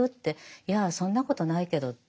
いやそんなことないけどって。